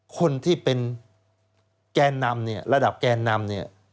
คนที่เป็นแก่นำระดับแก่นำ